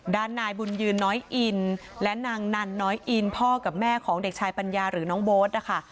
ด้านนายบุญยืนน้อยอินและนางนันน้อยอินพ่อกับแม่ของเด็กชายปัญญาหรือน้องโบ๊ทนะคะ